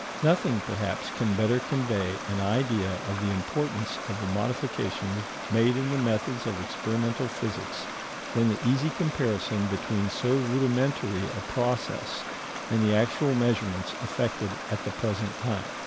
Nothing, perhaps, can better convey an idea of the importance of the modifications made in the methods of experimental physics than the easy comparison between so rudimentary a process and the actual measurements effected at the present time.